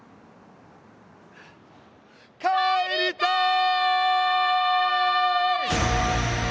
帰りたい！